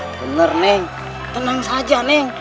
benar neng tenang saja neng